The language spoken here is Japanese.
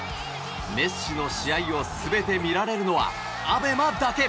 メッシの試合を全て見られるのはＡＢＥＭＡだけ。